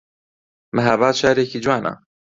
مەهاباد شارێکی جوانە